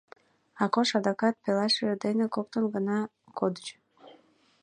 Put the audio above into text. Акош адакат пелашыж дене коктын гына кодыч.